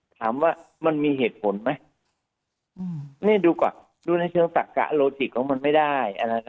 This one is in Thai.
ถามว่ามันมีเหตุผลไหมนี่ดูก่อนดูในเชิงตักกะโลจิกของมันไม่ได้